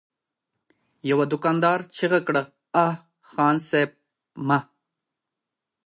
يوه دوکاندار چيغه کړه: اه! خان صيب! مه!